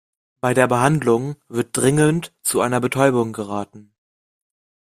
Bei der Behandlung wird dringend zu einer Betäubung geraten.